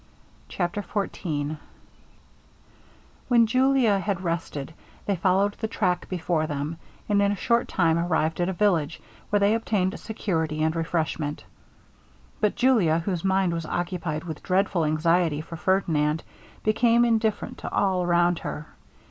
CHAPTER XIV When Julia had rested, they followed the track before them, and in a short time arrived at a village, where they obtained security and refreshment. But Julia, whose mind was occupied with dreadful anxiety for Ferdinand, became indifferent to all around her.